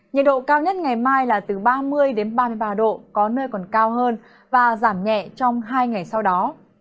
nhiệt độ cao nhất ngày mai là từ ba mươi ba mươi ba độ có nơi còn cao hơn và giảm nhẹ trong hai ngày sau đó